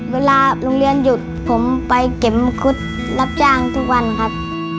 เวลาโรงเรียนหยุดผมไปเก็บมังคุดรับจ้างทุกวันครับ